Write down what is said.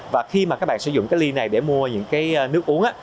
và khi các bạn sử dụng ly này để mua những nước uống